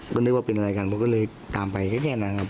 ก็นึกว่าเป็นอะไรกันผมก็เลยตามไปแค่นี้นะครับ